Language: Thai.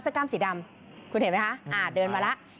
กล้ามสีดำคุณเห็นไหมคะอ่าเดินมาแล้ว